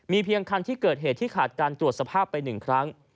เพียงคันที่เกิดเหตุที่ขาดการตรวจสภาพไป๑ครั้ง